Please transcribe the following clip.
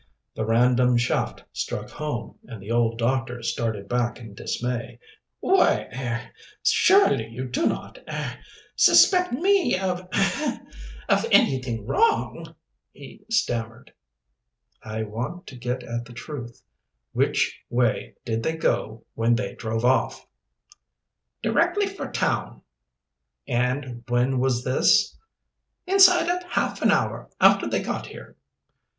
The random shaft struck home, and the old doctor started back in dismay. "Why er surely you do not er suspect me of ahem of anything wrong?" he stammered. "I want to get at the truth. Which way did they go when they drove off?" "Directly for town." "And when was this?" "Inside of half an hour after they got here."